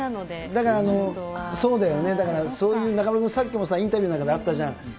だからそうだよね、そういう中丸君、さっきもインタビューであったじゃん。